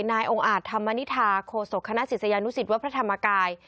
นายองค์อาจธรรมนิษฐาโคศกคณะศิษยานุสิตวัดพระธรรมกาย